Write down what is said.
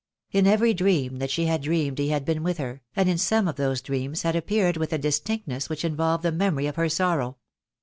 In every dream that she had dreamed he had been with her, and in some of those dreams had appeared with a distinctness which involved the memory of her sorrow.